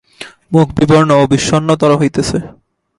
মুখ বিবর্ণ ও বিষণ্নতর হইতেছে।